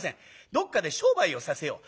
どっかで商売をさせよう。